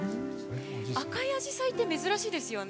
赤いアジサイって珍しいですよね。